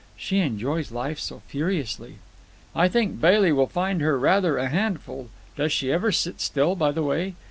She enjoys life so furiously." "I think Bailey will find her rather a handful. Does she ever sit still, by the way?